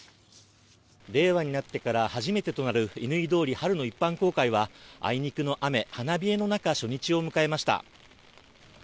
令和になってから初めてとなる乾通り春の一般公開はあいにくの雨、花冷えの中初日を迎えました。